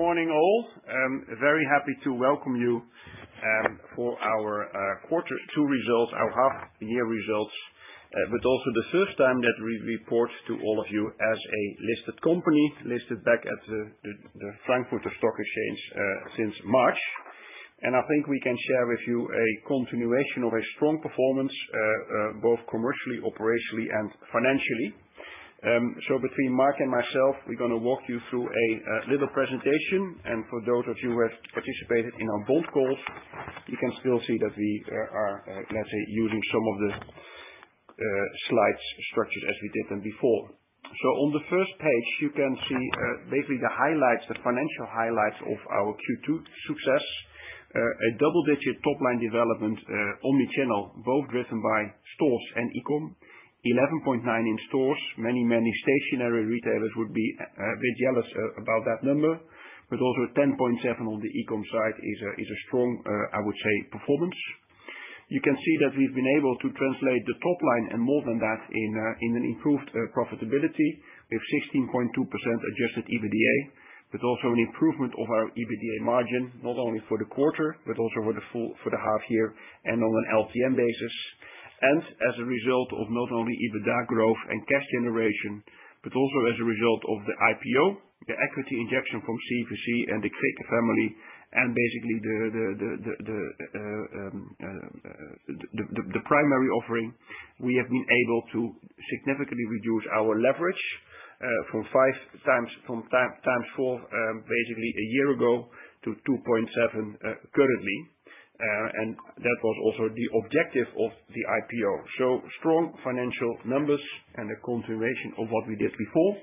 ...Good morning, all. Very happy to welcome you for our quarter two results, our half year results, but also the first time that we report to all of you as a listed company, listed back at the Frankfurt Stock Exchange, since March. I think we can share with you a continuation of a strong performance both commercially, operationally, and financially. So between Mark and myself, we're gonna walk you through a little presentation, and for those of you who have participated in our board calls, you can still see that we are, let's say, using some of the slides structured as we did them before. So on the first page, you can see basically the highlights, the financial highlights of our Q2 success. A double-digit top line development, omni-channel, both driven by stores and e-com. 11.9 in stores. Many, many stationary retailers would be a bit jealous about that number, but also 10.7 on the e-com side is a, is a strong, I would say, performance. You can see that we've been able to translate the top line, and more than that, in a, in an improved profitability with 16.2% adjusted EBITDA, but also an improvement of our EBITDA margin, not only for the quarter, but also for the full, for the half year, and on an LTM basis. As a result of not only EBITDA growth and cash generation, but also as a result of the IPO, the equity injection from CVC and the Kreke family, and basically the primary offering, we have been able to significantly reduce our leverage from 5x to 4x basically a year ago to 2.7x currently. And that was also the objective of the IPO. Strong financial numbers and a continuation of what we did before.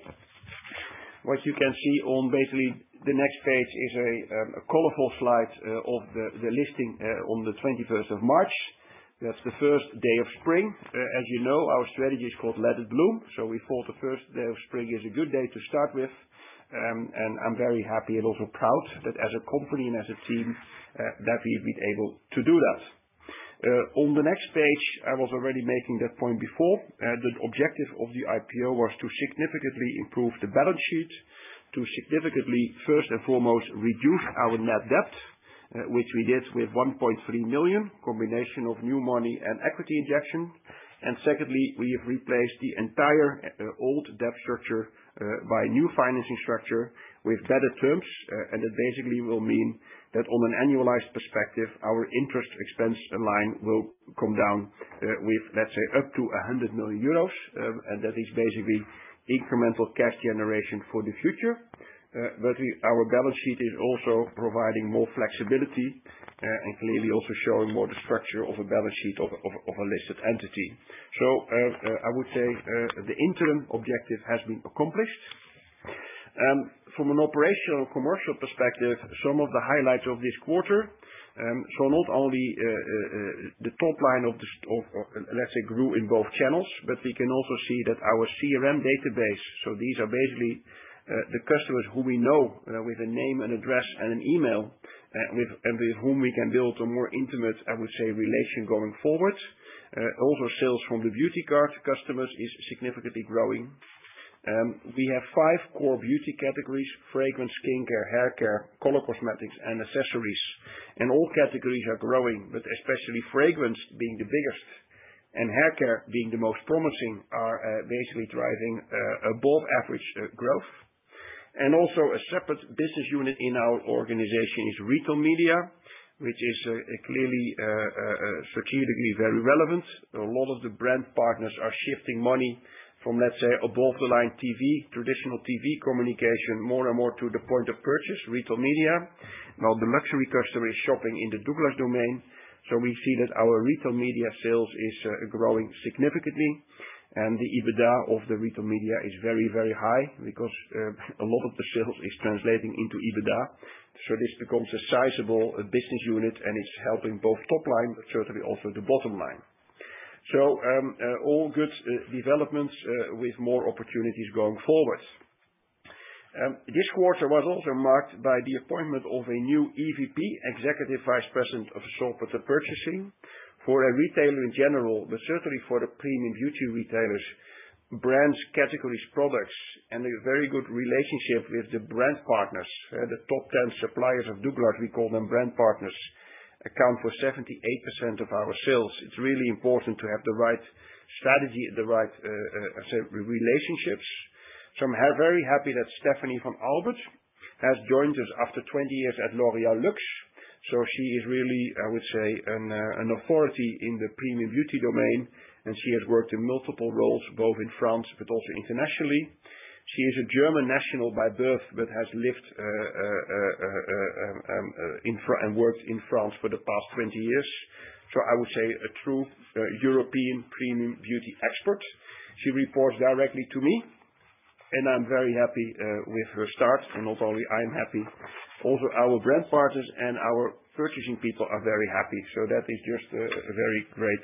What you can see on basically the next page is a colorful slide of the listing on the twenty-first of March. That's the first day of spring. As you know, our strategy is called Let It Bloom, so we thought the first day of spring is a good day to start with, and I'm very happy and also proud that as a company and as a team, that we've been able to do that. On the next page, I was already making that point before, the objective of the IPO was to significantly improve the balance sheet, to significantly, first and foremost, reduce our net debt, which we did with 1.3 million, combination of new money and equity injection. And secondly, we have replaced the entire old debt structure by a new financing structure with better terms, and that basically will mean that on an annualized perspective, our interest expense line will come down with, let's say, up to 100 million euros, and that is basically incremental cash generation for the future. But we, our balance sheet is also providing more flexibility, and clearly also showing more the structure of a balance sheet of a listed entity. So, I would say, the interim objective has been accomplished. From an operational, commercial perspective, some of the highlights of this quarter, so not only the top line, let's say, grew in both channels, but we can also see that our CRM database, so these are basically the customers who we know with a name, an address, and an email, with and with whom we can build a more intimate, I would say, relation going forward. Also sales from the Beauty card customers is significantly growing. We have five core beauty categories: fragrance, skincare, haircare, color cosmetics, and accessories. And all categories are growing, but especially fragrance being the biggest and haircare being the most promising, are basically driving above average growth. Also a separate business unit in our organization is Retail Media, which is clearly strategically very relevant. A lot of the brand partners are shifting money from, let's say, above the line TV, traditional TV communication, more and more to the point of purchase, Retail Media, while the luxury customer is shopping in the Douglas domain. So we see that our Retail Media sales is growing significantly, and the EBITDA of the Retail Media is very, very high because a lot of the sales is translating into EBITDA. So this becomes a sizable business unit, and it's helping both top line, but certainly also the bottom line. So all good developments with more opportunities going forward. This quarter was also marked by the appointment of a new EVP, Executive Vice President of Purchasing. For a retailer in general, but certainly for the premium beauty retailers, brands, categories, products, and a very good relationship with the brand partners, the top 10 suppliers of Douglas, we call them brand partners, account for 78% of our sales. It's really important to have the right strategy and the right, I say, relationships. So I'm very happy that Stefanie von Albert has joined us after 20 years at L'Oréal Luxe. So she is really, I would say, an authority in the premium beauty domain, and she has worked in multiple roles, both in France but also internationally. She is a German national by birth, but has lived in France and worked in France for the past 20 years, so I would say a true European premium beauty expert. She reports directly to me, and I'm very happy with her start. Not only I'm happy, also our brand partners and our purchasing people are very happy, so that is just a very great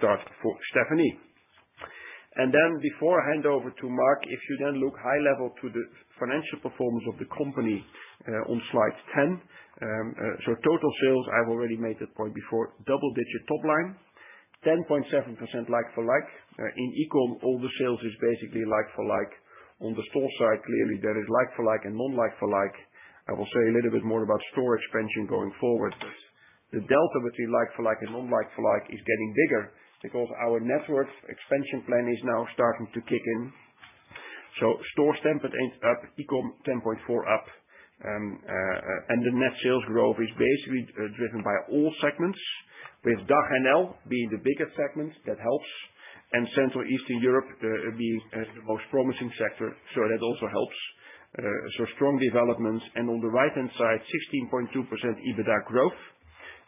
start for Stefanie. Then, before I hand over to Mark, if you then look high level to the financial performance of the company, on slide 10, so total sales, I've already made that point before, double digit top line.... 10.7% like for like, in e-com, all the sales is basically like for like. On the store side, clearly, there is like for like and non like for like. I will say a little bit more about store expansion going forward. The delta between like for like and non like for like is getting bigger, because our network expansion plan is now starting to kick in. So stores same-store ends up, e-com 10.4 up, and the net sales growth is basically driven by all segments, with DACH/NL being the biggest segment that helps, and Central and Eastern Europe being the most promising sector, so that also helps. So strong developments. And on the right-hand side, 16.2% EBITDA growth,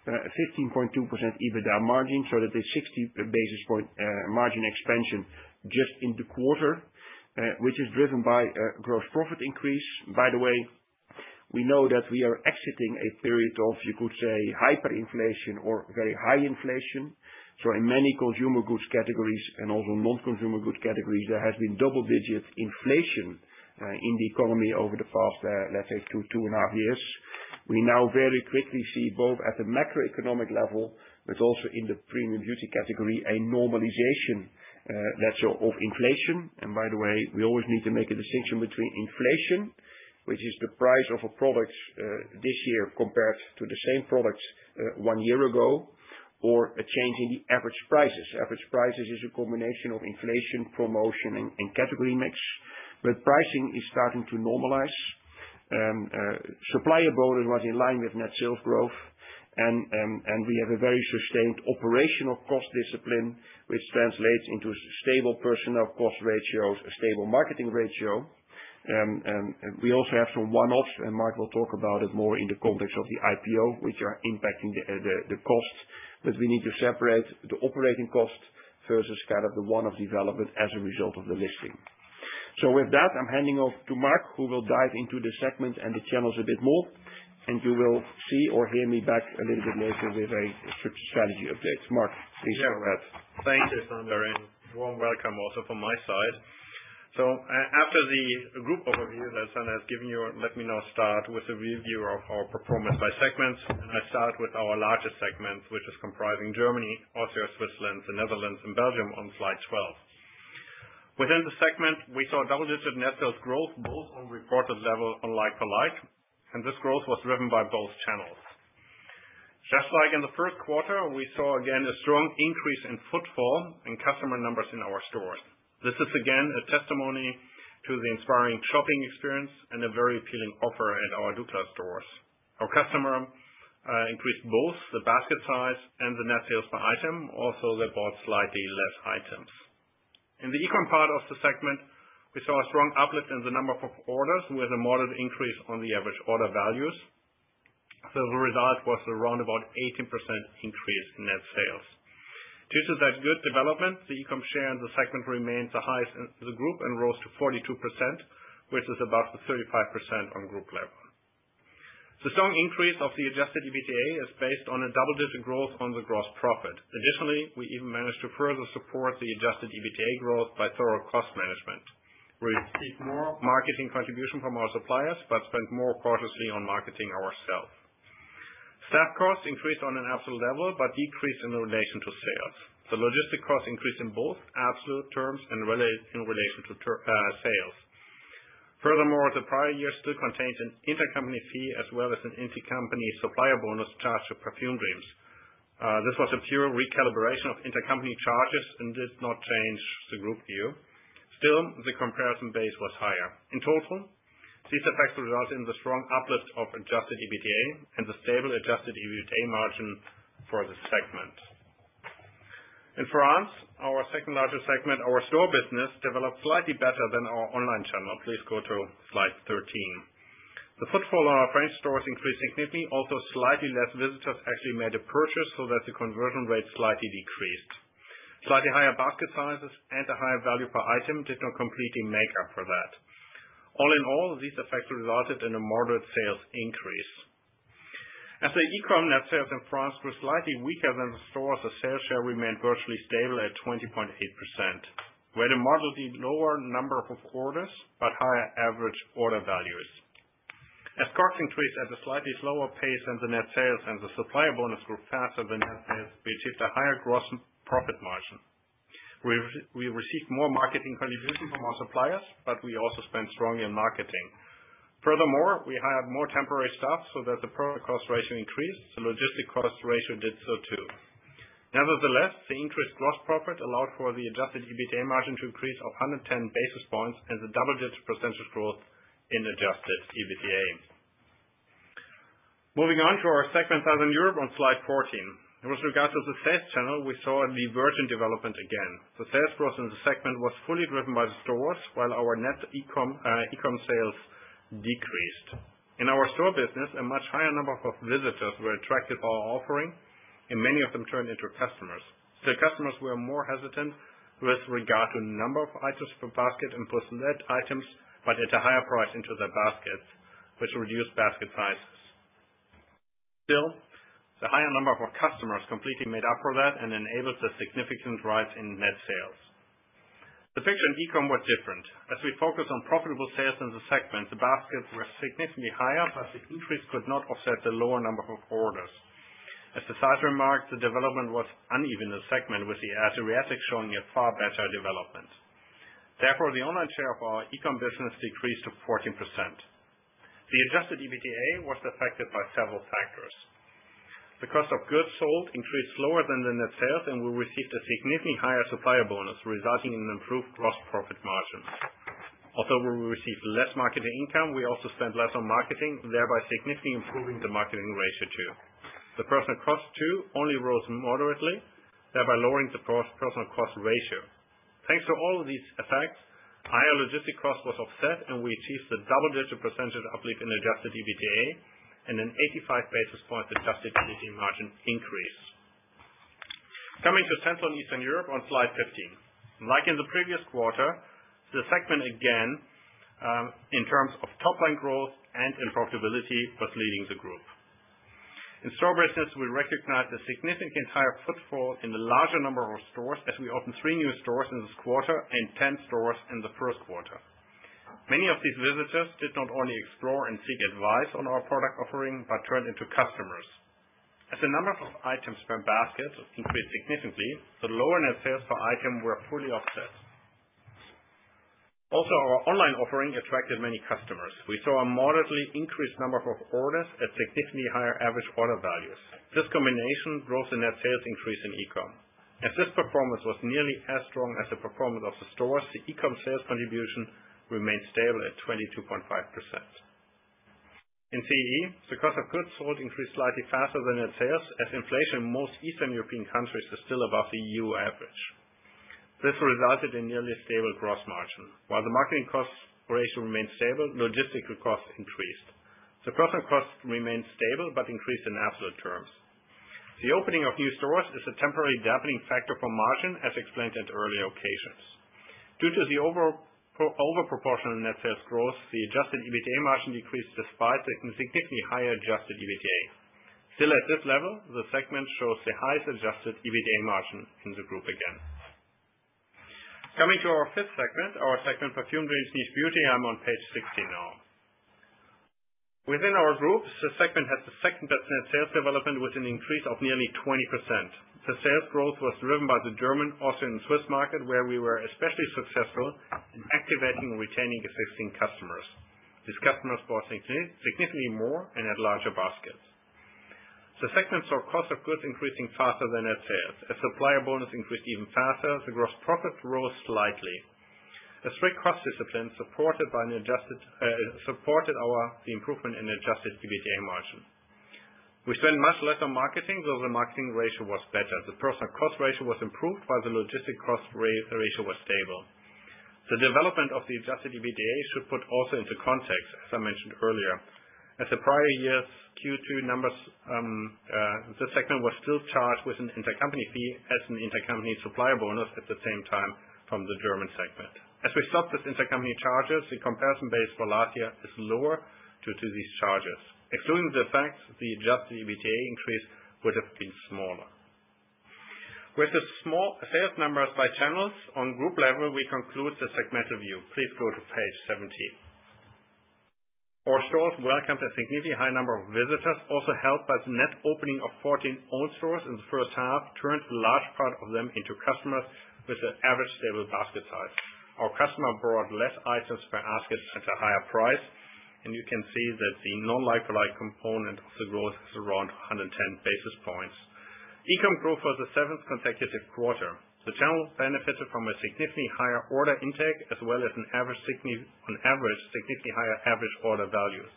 15.2% EBITDA margin, so that is 60 basis point margin expansion just in the quarter, which is driven by gross profit increase. By the way, we know that we are exiting a period of, you could say, hyperinflation or very high inflation. So in many consumer goods categories and also non-consumer goods categories, there has been double-digit inflation in the economy over the past, let's say, two, two and a half years. We now very quickly see both at the macroeconomic level, but also in the premium beauty category, a normalization, let's say, of inflation. And by the way, we always need to make a distinction between inflation, which is the price of a product, this year compared to the same product, one year ago, or a change in the average prices. Average prices is a combination of inflation, promotion, and category mix, but pricing is starting to normalize. Supplier volume was in line with net sales growth, and we have a very sustained operational cost discipline, which translates into stable personnel cost ratios, a stable marketing ratio. And we also have some one-offs, and Mark will talk about it more in the context of the IPO, which are impacting the costs that we need to separate the operating costs versus kind of the one-off development as a result of the listing. So with that, I'm handing off to Mark, who will dive into the segment and the channels a bit more, and you will see or hear me back a little bit later with a strict strategy update. Mark, please go ahead. Yeah. Thank you, Sander, and warm welcome also from my side. So after the group overview that Sander has given you, let me now start with a review of our performance by segments. I start with our largest segment, which is comprising Germany, Austria, Switzerland, the Netherlands, and Belgium on slide 12. Within the segment, we saw double-digit net sales growth, both on reported level and like for like, and this growth was driven by both channels. Just like in the first quarter, we saw again a strong increase in footfall and customer numbers in our stores. This is again a testimony to the inspiring shopping experience and a very appealing offer at our Douglas stores. Our customer increased both the basket size and the net sales per item, also they bought slightly less items. In the e-com part of the segment, we saw a strong uplift in the number of orders, with a moderate increase on the average order values. So the result was around about 18% increase in net sales. Due to that good development, the e-com share in the segment remains the highest in the group and rose to 42%, which is above the 35% on group level. The strong increase of the Adjusted EBITDA is based on a double-digit growth on the gross profit. Additionally, we even managed to further support the Adjusted EBITDA growth by thorough cost management. We received more marketing contribution from our suppliers, but spent more cautiously on marketing ourselves. Staff costs increased on an absolute level, but decreased in relation to sales. The logistic costs increased in both absolute terms and in relation to sales. Furthermore, the prior year still contains an intercompany fee as well as an intercompany supplier bonus charged to perfume brands. This was a pure recalibration of intercompany charges and did not change the group view. Still, the comparison base was higher. In total, these effects result in the strong uplift of adjusted EBITDA and the stable adjusted EBITDA margin for this segment. In France, our second largest segment, our store business developed slightly better than our online channel. Please go to slide 13. The footfall on our French stores increased significantly, although slightly less visitors actually made a purchase, so that the conversion rate slightly decreased. Slightly higher basket sizes and a higher value per item did not completely make up for that. All in all, these effects resulted in a moderate sales increase. As the e-com net sales in France were slightly weaker than the stores, the sales share remained virtually stable at 20.8%. We had a moderately lower number of orders, but higher average order values. As costs increased at a slightly slower pace than the net sales, and the supplier bonus grew faster than net sales, we achieved a higher gross profit margin. We received more marketing contribution from our suppliers, but we also spent strongly in marketing. Furthermore, we hired more temporary staff so that the product cost ratio increased, the logistic cost ratio did so, too. Nevertheless, the increased gross profit allowed for the adjusted EBITDA margin to increase of 110 basis points, and the double-digit percentage growth in adjusted EBITDA. Moving on to our segment, Southern Europe, on slide 14. With regards to the sales channel, we saw a divergent development again. The sales growth in the segment was fully driven by the stores, while our net e-com, e-com sales decreased. In our store business, a much higher number of visitors were attracted by our offering, and many of them turned into customers. The customers were more hesitant with regard to number of items per basket and purchased net items, but at a higher price into their baskets, which reduced basket prices. Still, the higher number of our customers completely made up for that and enabled a significant rise in net sales.... The picture in e-com was different. As we focus on profitable sales in the segment, the baskets were significantly higher, but the increase could not offset the lower number of orders. As the CEO remarked, the development was uneven in the segment, with the cosmetics showing a far better development. Therefore, the online share of our e-com business decreased to 14%. The adjusted EBITDA was affected by several factors. The cost of goods sold increased slower than the net sales, and we received a significantly higher supplier bonus, resulting in improved gross profit margins. Although we received less marketing income, we also spent less on marketing, thereby significantly improving the marketing ratio too. The personnel cost, too, only rose moderately, thereby lowering the personnel cost ratio. Thanks to all of these effects, higher logistics cost was offset and we achieved the double-digit percentage uplift in adjusted EBITDA and an 85 basis point adjusted EBITDA margin increase. Coming to Central and Eastern Europe on slide 15. Like in the previous quarter, the segment again, in terms of top line growth and in profitability, was leading the group. In store business, we recognized a significantly higher footfall in the larger number of stores, as we opened 3 new stores in this quarter and 10 stores in the first quarter. Many of these visitors did not only explore and seek advice on our product offering, but turned into customers. As the number of items per basket increased significantly, the lower net sales per item were fully offset. Also, our online offering attracted many customers. We saw a moderately increased number of orders at significantly higher average order values. This combination drove the net sales increase in e-com. As this performance was nearly as strong as the performance of the stores, the e-com sales contribution remained stable at 22.5%. In CEE, the cost of goods sold increased slightly faster than net sales, as inflation in most Eastern European countries is still above the EU average. This resulted in nearly stable gross margin. While the marketing cost ratio remained stable, logistical costs increased. The personal costs remained stable, but increased in absolute terms. The opening of new stores is a temporary dampening factor for margin, as explained at earlier occasions. Due to the over proportional net sales growth, the adjusted EBITDA margin decreased, despite a significantly higher adjusted EBITDA. Still, at this level, the segment shows the highest adjusted EBITDA margin in the group again. Coming to our fifth segment, our segment, Perfume, Beauty, and Niche Beauty, I'm on page 16 now. Within our groups, the segment had the second best net sales development, with an increase of nearly 20%. The sales growth was driven by the German, Austrian, Swiss market, where we were especially successful in activating and retaining existing customers. These customers bought significantly more and had larger baskets. The segment saw cost of goods increasing faster than net sales. As supplier bonus increased even faster, the gross profit rose slightly. A strict cost discipline, supported by an adjusted, supported the improvement in adjusted EBITDA margin. We spent much less on marketing, so the marketing ratio was better. The personal cost ratio was improved, while the logistic cost ratio was stable. The development of the adjusted EBITDA should put also into context, as I mentioned earlier. As the prior year's Q2 numbers, the segment was still charged with an intercompany fee, as an intercompany supplier bonus at the same time from the German segment. As we stopped this intercompany charges, the comparison base for last year is lower due to these charges. Excluding the effects, the adjusted EBITDA increase would have been smaller. With the small sales numbers by channels on group level, we conclude the segment review. Please go to page 17. Our stores welcomed a significantly high number of visitors, also helped by the net opening of 14 own stores in the first half, turned large part of them into customers with an average stable basket size. Our customer bought less items per basket at a higher price, and you can see that the like-for-like component of the growth is around 110 basis points. E-com growth was the seventh consecutive quarter. The channels benefited from a significantly higher order intake, as well as an average—on average, significantly higher average order values.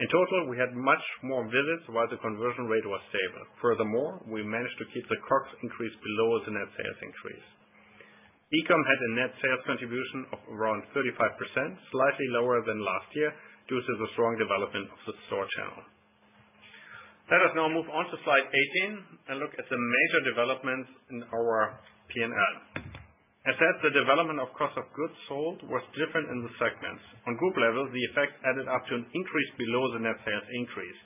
In total, we had much more visits, while the conversion rate was stable. Furthermore, we managed to keep the costs increase below the net sales increase. E-com had a net sales contribution of around 35%, slightly lower than last year, due to the strong development of the store channel. Let us now move on to slide 18 and look at the major developments in our PNL. As said, the development of cost of goods sold was different in the segments. On group level, the effect added up to an increase below the net sales increase.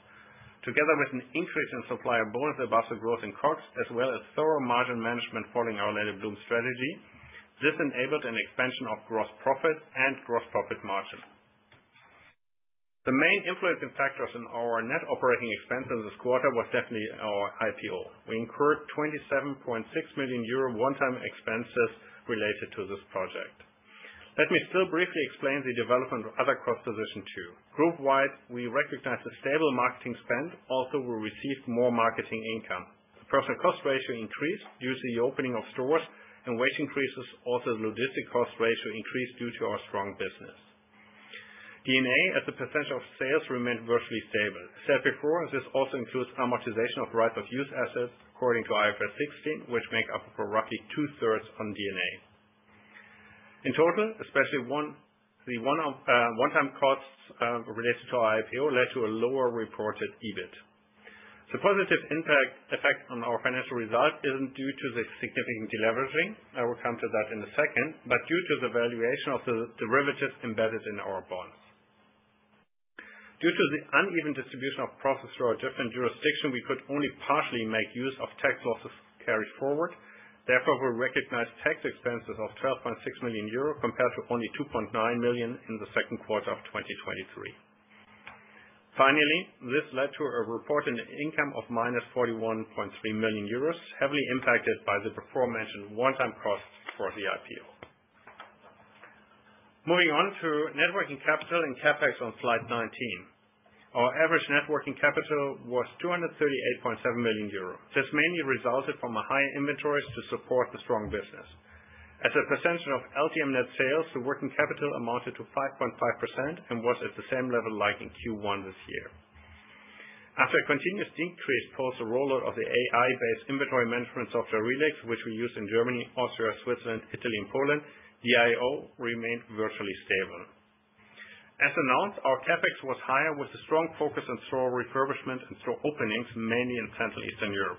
Together with an increase in supplier bonus above the growth in costs, as well as thorough margin management following our Let It Bloom strategy, this enabled an expansion of gross profit and gross profit margin. The main influencing factors in our net operating expenses this quarter was definitely our IPO. We incurred 27.6 million euro one-time expenses related to this project. Let me still briefly explain the development of other cost positions, too. Group-wide, we recognized a stable marketing spend; also we received more marketing income. The personal cost ratio increased due to the opening of stores and wage increases. Also, the logistic cost ratio increased due to our strong business. D&A, as a percentage of sales, remained virtually stable. Said before, this also includes amortization of right of use assets according to IFRS 16, which make up for roughly two-thirds on D&A. In total, especially one-time costs related to our IPO, led to a lower reported EBIT. The positive impact effect on our financial result isn't due to the significant deleveraging. I will come to that in a second, but due to the valuation of the derivatives embedded in our bonds. Due to the uneven distribution of profits through our different jurisdictions, we could only partially make use of tax losses carried forward. Therefore, we recognized tax expenses of 12.6 million euro, compared to only 2.9 million in the second quarter of 2023. Finally, this led to a reported income of -41.3 million euros, heavily impacted by the aforementioned one-time cost for the IPO. Moving on to net working capital and CapEx on slide 19. Our average net working capital was 238.7 million euros. This mainly resulted from a higher inventories to support the strong business. As a percentage of LTM net sales, the working capital amounted to 5.5% and was at the same level like in Q1 this year. After a continuous increase post the rollout of the AI-based inventory management software, RELEX, which we use in Germany, Austria, Switzerland, Italy, and Poland, the IO remained virtually stable. As announced, our CapEx was higher, with a strong focus on store refurbishment and store openings, mainly in Central and Eastern Europe.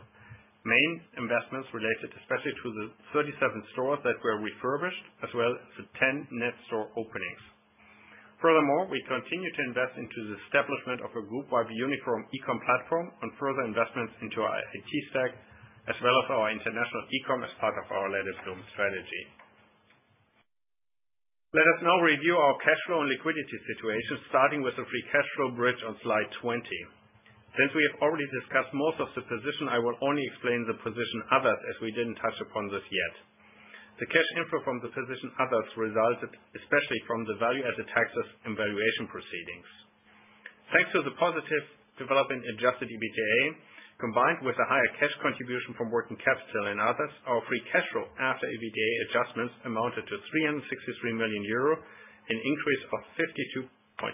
Main investments related especially to the 37 stores that were refurbished, as well as the 10 net store openings. Furthermore, we continue to invest into the establishment of a group-wide uniform e-com platform and further investments into our ICT stack, as well as our international e-com as part of our Let It Bloom strategy. Let us now review our cash flow and liquidity situation, starting with the Free Cash Flow bridge on slide 20. Since we have already discussed most of the position, I will only explain the position others, as we didn't touch upon this yet. The cash inflow from the position others resulted especially from the value-added taxes and valuation proceedings. Thanks to the positive development in Adjusted EBITDA, combined with a higher cash contribution from working capital and others, our Free Cash Flow after EBITDA adjustments amounted to 363 million euro, an increase of 52.8%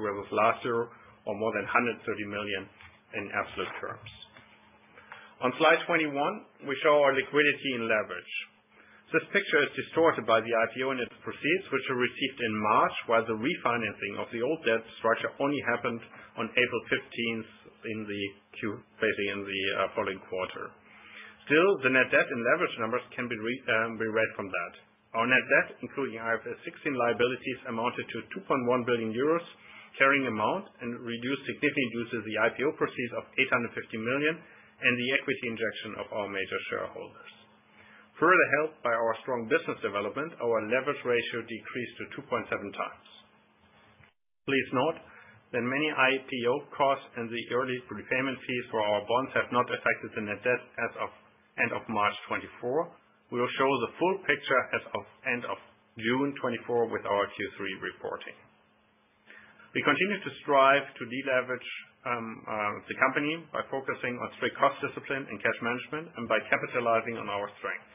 over last year, or more than 130 million in absolute terms. On slide 21, we show our liquidity and leverage. This picture is distorted by the IPO and its proceeds, which were received in March, while the refinancing of the old debt structure only happened on April 15, in the Q, basically in the following quarter. Still, the net debt and leverage numbers can be read from that. Our net debt, including IFRS 16 liabilities, amounted to 2.1 billion euros, carrying amount, and reduced significantly due to the IPO proceeds of 850 million, and the equity injection of our major shareholders. Further helped by our strong business development, our leverage ratio decreased to 2.7 times. Please note that many IPO costs and the early prepayment fees for our bonds have not affected the net debt as of end of March 2024. We will show the full picture as of end of June 2024 with our Q3 reporting. We continue to strive to deleverage the company by focusing on strict cost discipline and cash management, and by capitalizing on our strengths.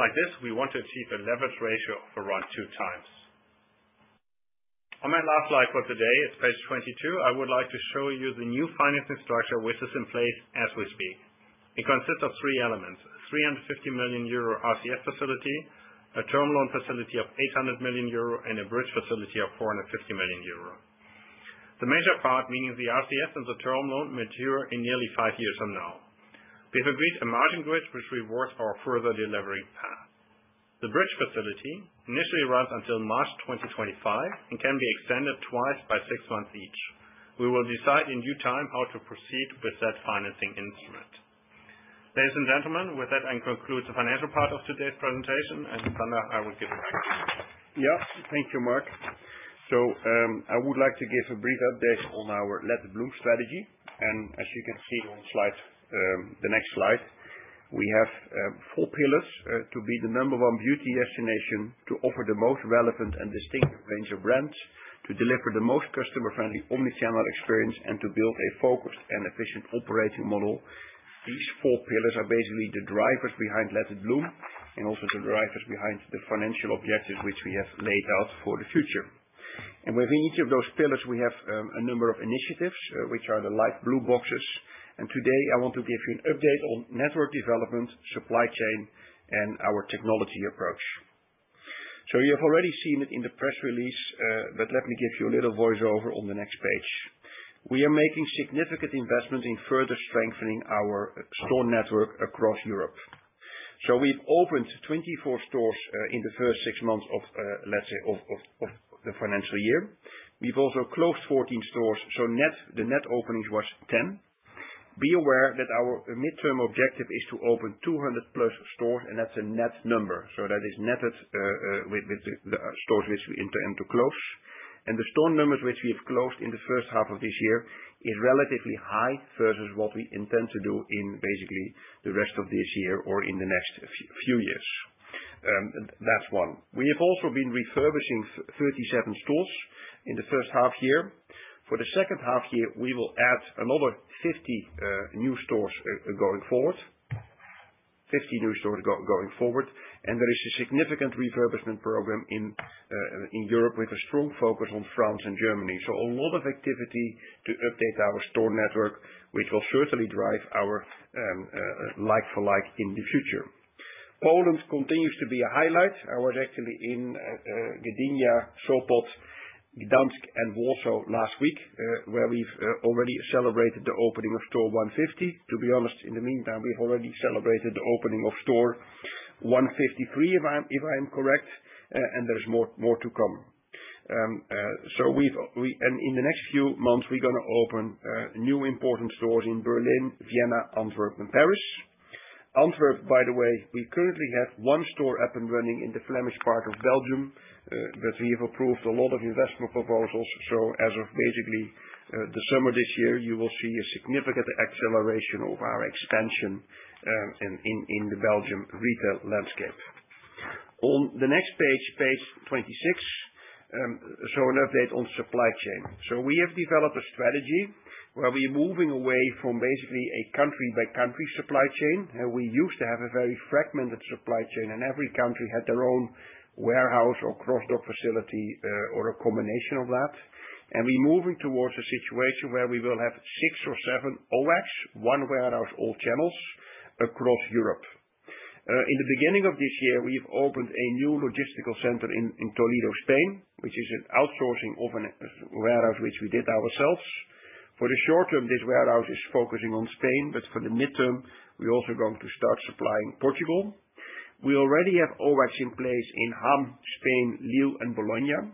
Like this, we want to achieve a leverage ratio of around 2 times. On my last slide for today, it's page 22, I would like to show you the new financing structure, which is in place as we speak. It consists of three elements: a 350 million euro RCF facility, a term loan facility of 800 million euro, and a bridge facility of 450 million euro. The major part, meaning the RCF and the term loan, mature in nearly 5 years from now. We have agreed a margin bridge, which rewards our further delivery path. The bridge facility initially runs until March 2025 and can be extended twice by 6 months each. We will decide in due time how to proceed with that financing instrument. Ladies and gentlemen, with that, I conclude the financial part of today's presentation, and Sander, I will give you back. Yeah. Thank you, Mark. So, I would like to give a brief update on our Let It Bloom strategy, and as you can see on slide, the next slide, we have four pillars, to be the number one beauty destination, to offer the most relevant and distinctive range of brands, to deliver the most customer-friendly omni-channel experience, and to build a focused and efficient operating model. These four pillars are basically the drivers behind Let It Bloom, and also the drivers behind the financial objectives which we have laid out for the future. And within each of those pillars, we have a number of initiatives, which are the light blue boxes, and today I want to give you an update on network development, supply chain, and our technology approach. So you have already seen it in the press release, but let me give you a little voiceover on the next page. We are making significant investments in further strengthening our store network across Europe. So we've opened 24 stores in the first six months of, let's say, the financial year. We've also closed 14 stores, so net, the net openings was 10. Be aware that our midterm objective is to open 200+ stores, and that's a net number, so that is netted with the stores which we intend to close. And the store numbers which we have closed in the first half of this year is relatively high versus what we intend to do in basically the rest of this year or in the next few years. That's one. We have also been refurbishing 37 stores in the first half year. For the second half year, we will add another 50 new stores going forward. 50 new stores going forward, and there is a significant refurbishment program in Europe, with a strong focus on France and Germany. So a lot of activity to update our store network, which will certainly drive our like for like in the future. Poland continues to be a highlight. I was actually in Gdynia, Sopot, Gdansk, and Warsaw last week, where we've already celebrated the opening of store 150. To be honest, in the meantime, we've already celebrated the opening of store 153, if I'm, if I am correct, and there's more to come. So we've and in the next few months, we're gonna open new important stores in Berlin, Vienna, Antwerp, and Paris. Antwerp, by the way, we currently have one store up and running in the Flemish part of Belgium, but we have approved a lot of investment proposals. So as of basically the summer this year, you will see a significant acceleration of our expansion in the Belgium retail landscape. On the next page, page 26, so an update on supply chain. So we have developed a strategy where we're moving away from basically a country-by-country supply chain. And we used to have a very fragmented supply chain, and every country had their own warehouse or cross-dock facility, or a combination of that. We're moving towards a situation where we will have 6 or 7 OWAC, one warehouse, all channels, across Europe. In the beginning of this year, we've opened a new logistical center in Toledo, Spain, which is an outsourcing of a warehouse which we did ourselves. For the short term, this warehouse is focusing on Spain, but for the midterm, we're also going to start supplying Portugal. We already have OWACs in place in Hamm, Spain, Lille, and Bologna.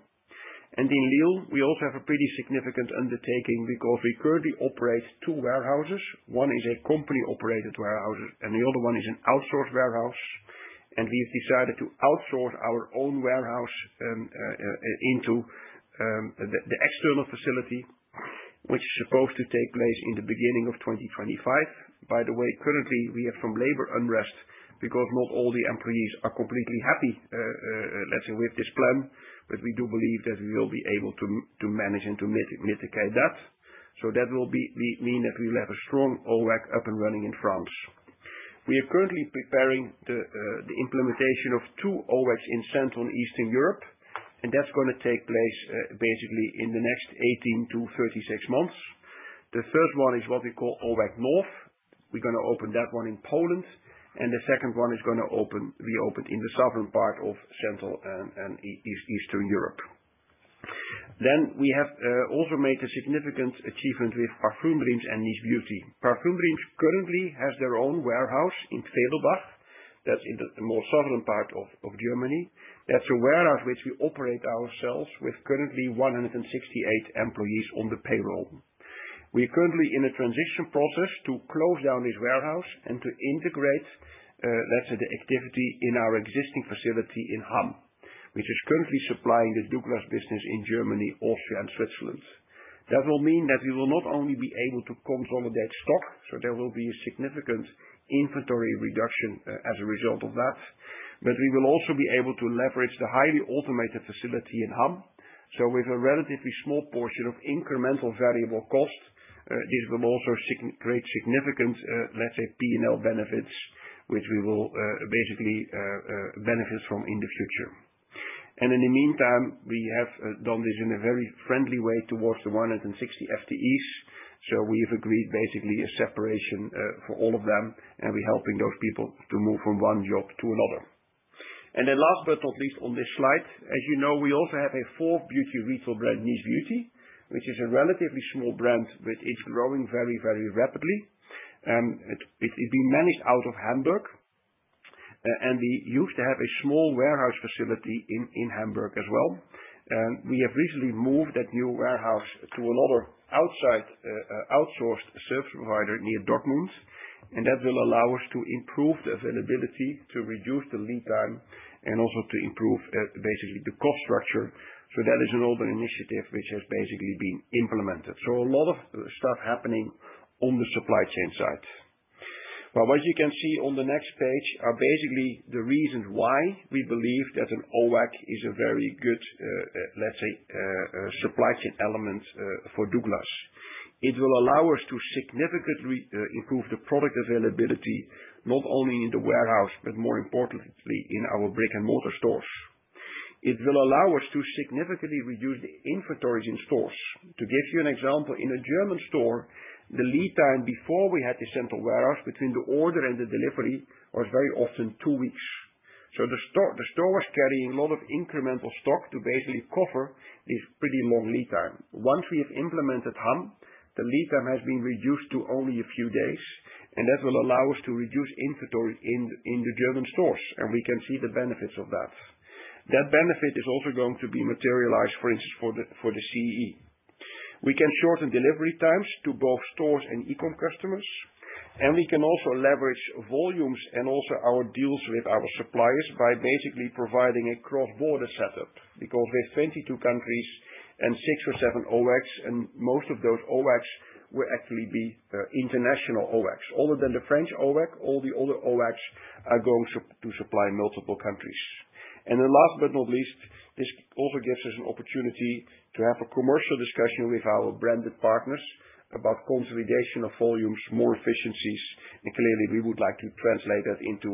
And in Lille, we also have a pretty significant undertaking because we currently operate 2 warehouses. One is a company-operated warehouse, and the other one is an outsourced warehouse. And we've decided to outsource our own warehouse into the external facility, which is supposed to take place in the beginning of 2025. By the way, currently, we have some labor unrest because not all the employees are completely happy, let's say, with this plan, but we do believe that we will be able to manage and mitigate that. So that will mean that we will have a strong OWAC up and running in France. We are currently preparing the implementation of two OWACs in Central and Eastern Europe, and that's gonna take place, basically in the next 18-36 months. The first one is what we call OWAC North. We're gonna open that one in Poland, and the second one is gonna open in the southern part of Central and Eastern Europe. Then, we have also made a significant achievement with Parfümerie and Niche Beauty. Parfümerie currently has their own warehouse in Pfedelbach. That's in the more southern part of Germany. That's a warehouse which we operate ourselves, with currently 168 employees on the payroll. We are currently in a transition process to close down this warehouse and to integrate, let's say, the activity in our existing facility in Hamm, which is currently supplying the Douglas business in Germany, Austria, and Switzerland. That will mean that we will not only be able to consolidate stock, so there will be a significant inventory reduction, as a result of that, but we will also be able to leverage the highly automated facility in Hamm. So with a relatively small portion of incremental variable costs, this will also create significant, let's say, P&L benefits, which we will basically benefit from in the future. In the meantime, we have done this in a very friendly way towards the 160 FTEs. So we have agreed basically a separation for all of them, and we're helping those people to move from one job to another. And then last but not least, on this slide, as you know, we also have a fourth beauty retail brand, Niche Beauty, which is a relatively small brand, but it's growing very, very rapidly. It's being managed out of Hamburg, and we used to have a small warehouse facility in Hamburg as well. We have recently moved that new warehouse to another outsourced service provider near Dortmund, and that will allow us to improve the availability, to reduce the lead time, and also to improve basically the cost structure. So that is an older initiative which has basically been implemented. So a lot of stuff happening on the supply chain side. Well, as you can see on the next page, are basically the reasons why we believe that an OWAC is a very good, let's say, supply chain element, for Douglas. It will allow us to significantly improve the product availability, not only in the warehouse, but more importantly, in our brick-and-mortar stores. It will allow us to significantly reduce the inventories in stores. To give you an example, in a German store, the lead time before we had the central warehouse, between the order and the delivery, was very often two weeks. So the store, the store was carrying a lot of incremental stock to basically cover this pretty long lead time. Once we have implemented Hamm, the lead time has been reduced to only a few days, and that will allow us to reduce inventory in the German stores, and we can see the benefits of that. That benefit is also going to be materialized, for instance, for the CEE. We can shorten delivery times to both stores and e-com customers, and we can also leverage volumes and also our deals with our suppliers by basically providing a cross-border setup, because with 22 countries and 6 or 7 OWACs, and most of those OWACs will actually be international OWACs. Other than the French OWAC, all the other OWACs are going to supply multiple countries. And then last but not least, this also gives us an opportunity to have a commercial discussion with our branded partners about consolidation of volumes, more efficiencies, and clearly, we would like to translate that into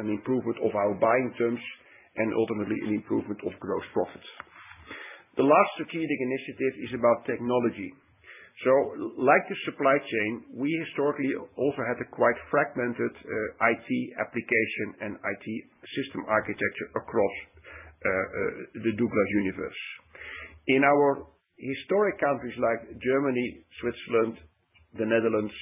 an improvement of our buying terms and ultimately an improvement of gross profits. The last strategic initiative is about technology. So like the supply chain, we historically also had a quite fragmented, IT application and IT system architecture across, the Douglas universe. In our historic countries like Germany, Switzerland, the Netherlands,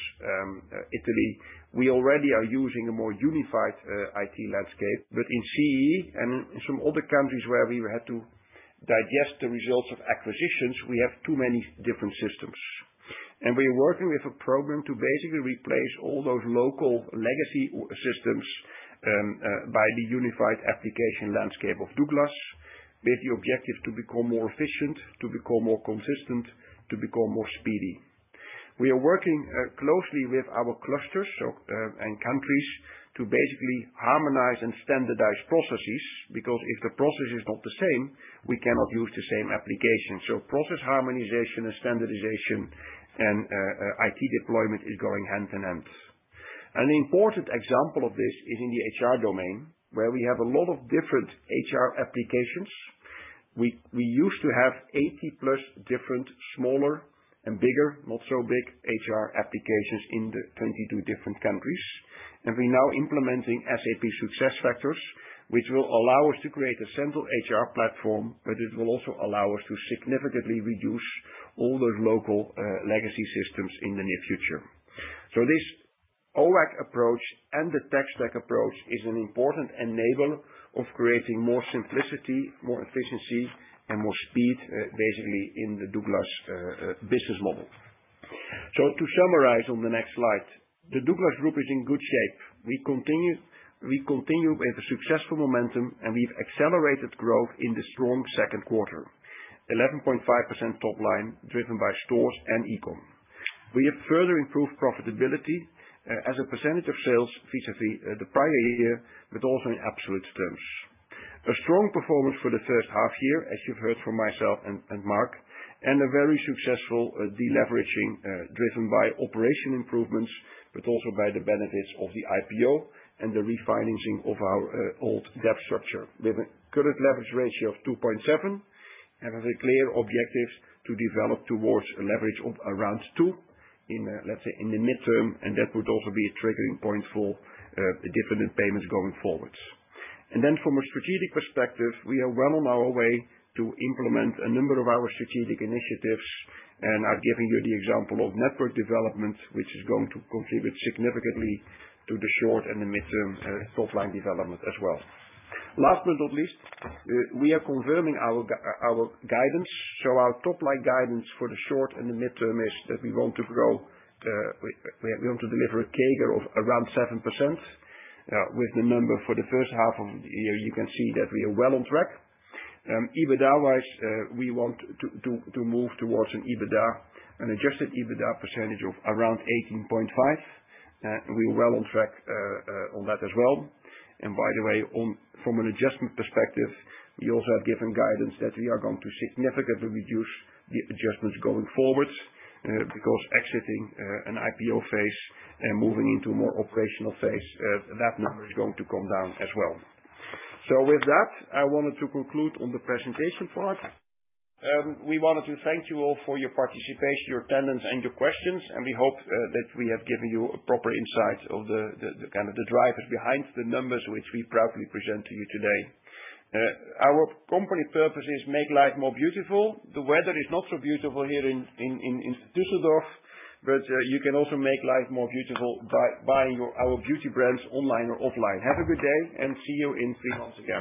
Italy, we already are using a more unified, IT landscape, but in CEE and in some other countries where we've had to digest the results of acquisitions, we have too many different systems. We are working with a program to basically replace all those local legacy systems by the unified application landscape of Douglas, with the objective to become more efficient, to become more consistent, to become more speedy. We are working closely with our clusters, so and countries, to basically harmonize and standardize processes, because if the process is not the same, we cannot use the same application. So process harmonization and standardization and IT deployment is going hand in hand. An important example of this is in the HR domain, where we have a lot of different HR applications. We used to have 80+ different, smaller and bigger, not so big, HR applications in the 22 different countries, and we're now implementing SAP SuccessFactors, which will allow us to create a central HR platform, but it will also allow us to significantly reduce all those local, legacy systems in the near future. So this OWAC approach and the tech stack approach is an important enabler of creating more simplicity, more efficiency, and more speed, basically in the Douglas business model. So to summarize on the next slide, the Douglas Group is in good shape. We continue with a successful momentum, and we've accelerated growth in the strong second quarter. 11.5% top line, driven by stores and e-com. We have further improved profitability, as a percentage of sales vis-à-vis the prior year, but also in absolute terms. A strong performance for the first half year, as you've heard from myself and, and Mark, and a very successful, deleveraging, driven by operation improvements, but also by the benefits of the IPO and the refinancing of our, old debt structure. With a current leverage ratio of 2.7, and with a clear objective to develop towards a leverage of around 2 in, let's say in the midterm, and that would also be a triggering point for, the dividend payments going forwards. And then from a strategic perspective, we are well on our way to implement a number of our strategic initiatives, and I've given you the example of network development, which is going to contribute significantly to the short and the midterm, top line development as well. Last but not least, we are confirming our guidance, so our top line guidance for the short and the midterm is that we want to grow, we want to deliver a CAGR of around 7%. With the number for the first half of the year, you can see that we are well on track. EBITDA-wise, we want to move towards an EBITDA, an Adjusted EBITDA percentage of around 18.5%, we're well on track on that as well. And by the way, from an adjustment perspective, we also have given guidance that we are going to significantly reduce the adjustments going forwards, because exiting an IPO phase and moving into a more operational phase, that number is going to come down as well. So with that, I wanted to conclude on the presentation part. We wanted to thank you all for your participation, your attendance, and your questions, and we hope that we have given you a proper insight of the kind of the drivers behind the numbers which we proudly present to you today. Our company purpose is make life more beautiful. The weather is not so beautiful here in Düsseldorf, but you can also make life more beautiful by buying your, our beauty brands online or offline. Have a good day, and see you in three months again.